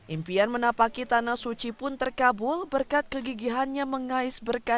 impian menapaki tanah suci pun terkabul berkat kegigihannya mengais berkas